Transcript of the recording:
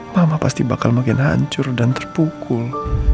mama pasti bakal makin hancur dan terpukul